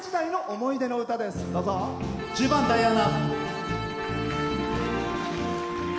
１０番「ダイアナ」。